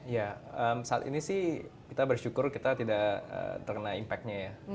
ya saat ini sih kita bersyukur kita tidak terkena impact nya ya